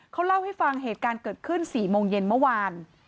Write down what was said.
เขาเล่าให้ฟังเหตุการณ์เกิดขึ้น๔โมงเย็นเมื่อวาน